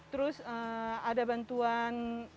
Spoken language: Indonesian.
terus ada bantuan bed cover juga